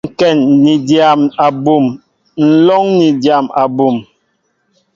Ŋkɛn ni dyam abum, nlóŋ ni dyam abum.